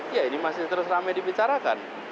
ya ini masih terus ramai dibicarakan